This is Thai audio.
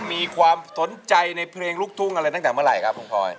มีความสนใจในเพลงลูกทุ่งอะไรตั้งแต่เมื่อไหร่ครับลุงพลอย